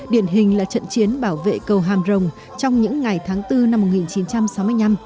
điển hình là trận chiến bảo vệ cầu hàm rồng trong những ngày tháng bốn năm một nghìn chín trăm sáu mươi năm